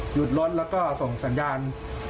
หยุดรถแล้วก็ส่งสัญญาณ